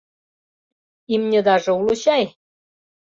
— Имньыдаже уло чай?